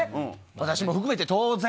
私も含めて、当然。